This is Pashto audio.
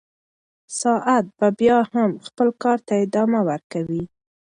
ساعت به بیا هم خپل کار ته ادامه ورکوي.